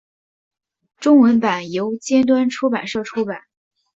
中文版由尖端出版社出版。